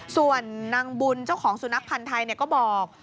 ส่วนนางบุญเจ้าของสุนัขพันธ์ไทยก็บอก